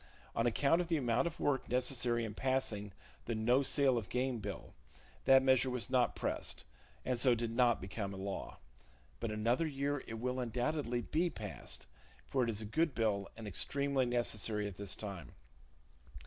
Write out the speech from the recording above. On account of the amount of work necessary in passing the no sale of game bill, that measure was not pressed, and so it did not become a law; but another year it will undoubtedly be passed, for it is a good bill, and extremely necessary at this time.